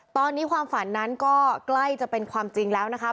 ตอนนี้ความฝันนั้นก็ใกล้จะเป็นความจริงแล้วนะครับ